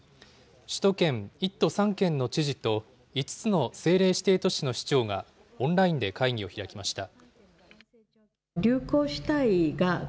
首都圏１都３県の知事と、５つの政令指定都市の市長が、オンラインで会議を開きました。